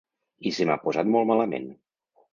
I se m’ha posat molt malament.